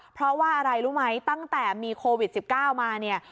เพราะว่าอะไรรู้ไหมตั้งแต่มีโควิด๑๙มาเนี่ย